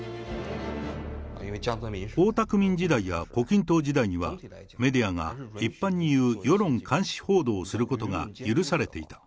江沢民時代や胡錦涛時代には、メディアが一般にいう世論監視報道をすることが許されていた。